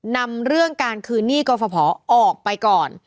นำเรื่องการคืนหนี้กรฟภออกไปก่อน